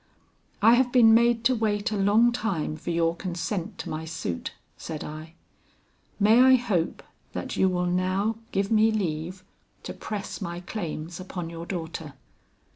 'I have been made to wait a long time for your consent to my suit,' said I; 'may I hope that you will now give me leave to press my claims upon your daughter?'